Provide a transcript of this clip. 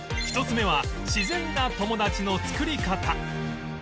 １つ目は自然な友達の作り方